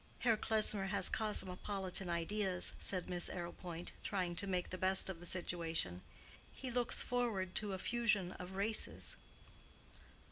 "Herr Klesmer has cosmopolitan ideas," said Miss Arrowpoint, trying to make the best of the situation. "He looks forward to a fusion of races."